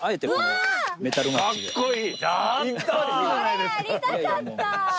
それやりたかった！